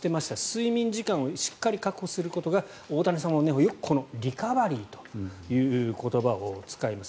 睡眠時間をしっかり確保することが大谷さんは、よくこのリカバリーという言葉を使います。